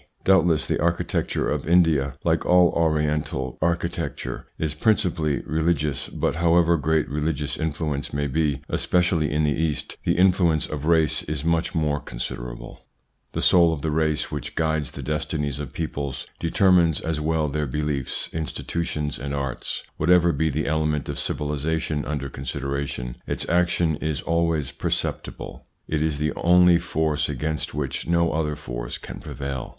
Doubtless the architecture of India, like all Oriental architecture, is principally religious ; but however great religious influence may be, especially in the East, the influence of race is much more considerable. 126 THE PSYCHOLOGY OF PEOPLES This soul of the race, which guides the destinies of peoples, determines as well their beliefs, institutions, and arts ; whatever be the element of civilisation under consideration, its action is always perceptible. It is the only force against which no other force can prevail.